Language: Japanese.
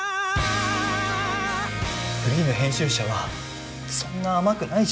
フリーの編集者はそんな甘くないし。